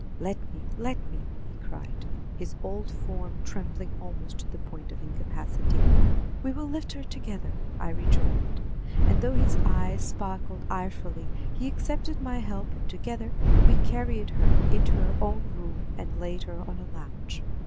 "Let me! let me!" he cried, his old form trembling almost to the point of incapacity. "We will lift her together," I rejoined; and though his eyes sparkled irefully, he accepted my help and together we carried her into her own room and laid her on a lounge.